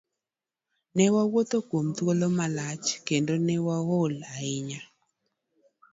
Newawuotho kuom thuolo malach kendo ne waol ahinya.